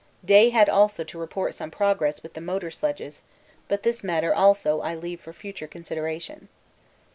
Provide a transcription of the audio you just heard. Day had also to report some progress with the motor sledges, but this matter also I leave for future consideration.